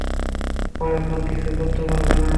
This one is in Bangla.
ও এখন কিছুই করতে পারবে না।